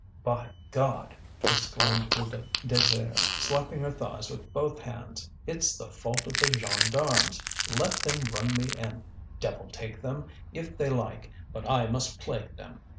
"By God!" exclaimed Widow Désir, slapping her thighs with both hands, "it's the fault of the gendarmes! Let them run me in, devil take them, if they like, but I must plague them."